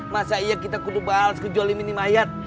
masa iya kita kudu balas kejolimin nih mayat